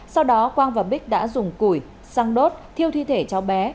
sau đó quang và bích đã dùng củi xăng đốt thiêu thi thể cháu bé